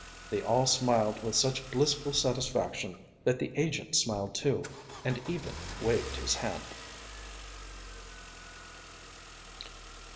They all smiled with such blissful satisfaction that the agent smiled too, and even waved his hand.